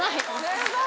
すごい！